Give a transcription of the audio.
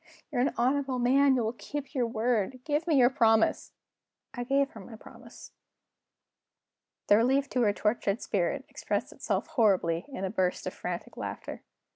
"You're an honorable man; you will keep your word. Give me your promise!" I gave her my promise. The relief to her tortured spirit expressed itself horribly in a burst of frantic laughter.